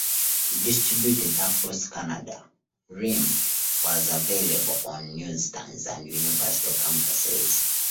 Distributed across Canada, "Realm" was available on newsstands and university campuses.